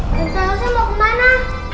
tante elsa mau kemana